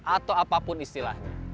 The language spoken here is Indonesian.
atau apapun istilahnya